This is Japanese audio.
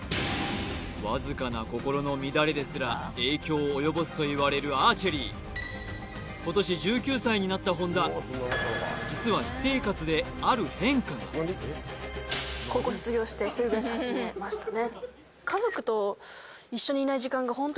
わずかな心の乱れですら影響を及ぼすといわれるアーチェリー今年１９歳になった本田実は私生活である変化がこの春からですね